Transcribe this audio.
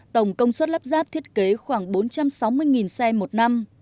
tổng công suất lắp ráp thiết kế khoảng bốn trăm sáu mươi xe một năm